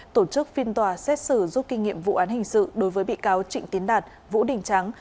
tổ chức phiên tòa xét xử giúp kinh nghiệm vụ án hình sự đối với bị cáo trịnh tiến đạt vũ đình trắng